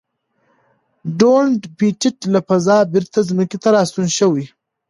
ډونلډ پېټټ له فضا بېرته ځمکې ته راستون شوی.